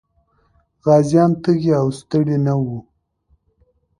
غازيان تږي او ستړي نه وو.